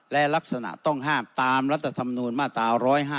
และลักษณะต้องห้ามตามรัฐธรรมนูญมาตรา๑๕